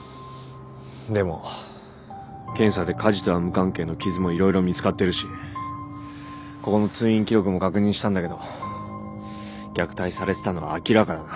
でも検査で火事とは無関係の傷も色々見つかってるしここの通院記録も確認したんだけど虐待されてたのは明らかだな。